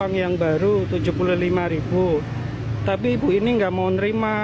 uang yang baru rp tujuh puluh lima ribu tapi ibu ini nggak mau nerima